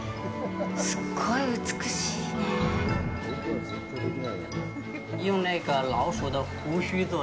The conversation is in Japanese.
すっごい美しいね。